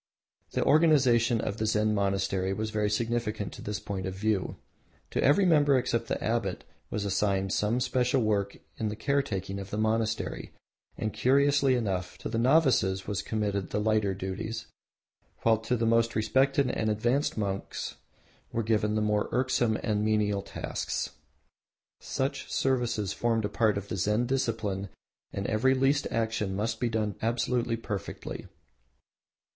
The organisation of the Zen monastery was very significant of this point of view. To every member, except the abbot, was assigned some special work in the caretaking of the monastery, and curiously enough, to the novices was committed the lighter duties, while to the most respected and advanced monks were given the more irksome and menial tasks. Such services formed a part of the Zen discipline and every least action must be done absolutely perfectly.